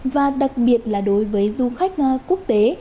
và đặc biệt là đối với du khách quốc tế